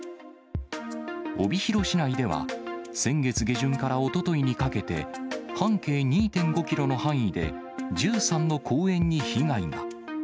帯広市内では、先月下旬からおとといにかけて、半径２．５キロの範囲で１３の公園に被害が。